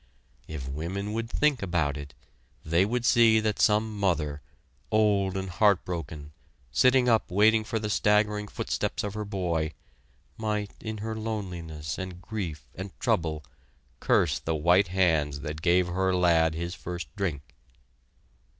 If women would think about it, they would see that some mother, old and heartbroken, sitting up waiting for the staggering footsteps of her boy, might in her loneliness and grief and trouble curse the white hands that gave her lad his first drink.